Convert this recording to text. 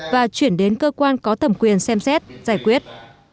và chuyển đến cơ quan có thẩm quyền xem xét giải quyết